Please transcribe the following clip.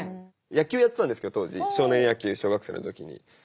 野球やってたんですけど当時少年野球小学生の時に。